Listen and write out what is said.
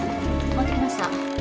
持ってきました。